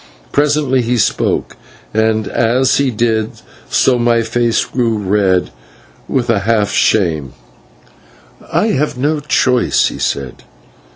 Presently he spoke, and as he did so his face grew red with a half shame. "I have no choice," he said.